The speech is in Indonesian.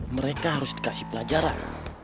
mereka harus dikasih pelajaran